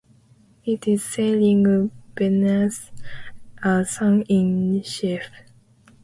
It is sailing beneath a sun in the chief.